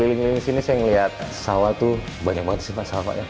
ini saya liat sawah tuh banyak banget sih pak